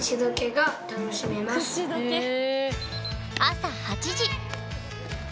朝８時。